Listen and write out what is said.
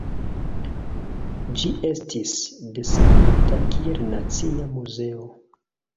Ĝi estis desegnita kiel nacia muzeo.